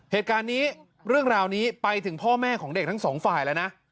เหตุการณ์นี้เรื่องราวนี้ไปถึงพ่อแม่ของเด็กทั้งสองฝ่ายแล้วนะ